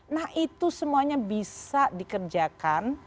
nah itu semuanya bisa dikerjakan